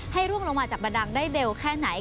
ร่วงลงมาจากบันดังได้เร็วแค่ไหน